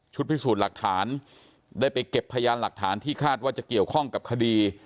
พิสูจน์หลักฐานได้ไปเก็บพยานหลักฐานที่คาดว่าจะเกี่ยวข้องกับคดี